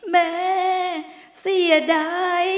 แม่เสียดาย